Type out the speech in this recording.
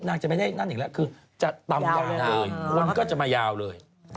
จะไม่ได้นั่นอีกแล้วคือจะตำนานคนก็จะมายาวเลย